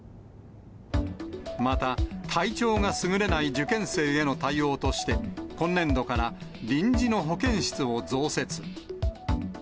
また、体調がすぐれない受験生への対応として、今年度から臨時の保健室を増設。